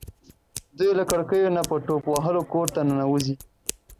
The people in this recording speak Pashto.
دوی له کړکیو نه په ټوپ وهلو کور ته ننوځي.